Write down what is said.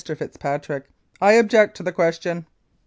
FITZPATRICK: I object to the question.